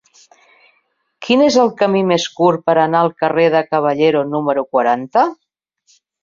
Quin és el camí més curt per anar al carrer de Caballero número quaranta?